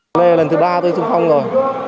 đây là lần thứ ba tôi sùng phòng rồi